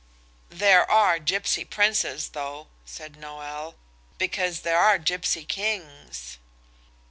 "There are gipsy princes, though," said Noël, "because there are gipsy kings."